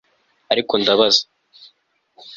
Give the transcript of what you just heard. Ariko ndabaza